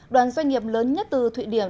đoàn doanh nghiệp lớn nhất từ thụy điển